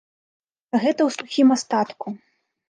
Гэта ў сухім астатку.